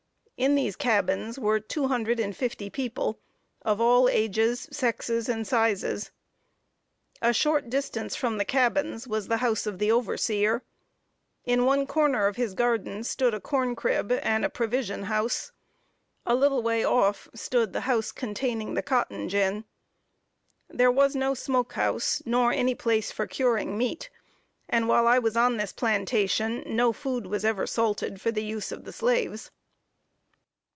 In these cabins were two hundred and fifty people, of all ages, sexes and sizes. A short distance from the cabins was the house of the overseer. In one corner of his garden stood a corn crib and a provision house. A little way off stood the house containing the cotton gin. There was no smoke house, nor any place for curing meat, and while I was on this plantation no food was ever salted for the use of the slaves.